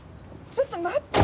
ちょっと待って！